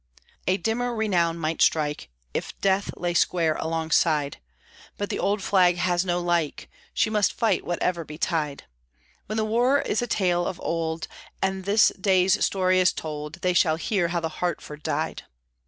A dimmer renown might strike If Death lay square alongside, But the old Flag has no like, She must fight, whatever betide; When the War is a tale of old, And this day's story is told, They shall hear how the Hartford died!